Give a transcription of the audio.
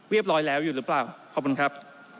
เรียบร้อยแล้วอยู่หรือเปล่าขอบคุณครับ